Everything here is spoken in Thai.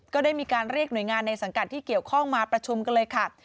ก็ได้มีการเรียกหน่วยงานในสังกัดที่เกี่ยวข้องมาประชุมกันเลยค่ะ